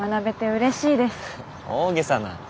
大げさな。